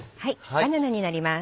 バナナになります。